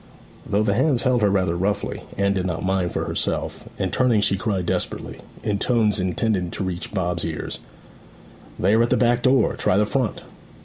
Though the hands held her rather roughly, Anne did not mind for herself, and turning she cried desperately, in tones intended to reach Bob's ears: 'They are at the back door; try the front!'